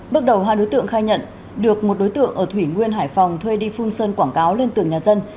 bước đầu hai đối tượng khai nhận được một đối tượng ở thủy nguyên hải phòng thuê đi phun sơn quảng cáo lên tường nhà dân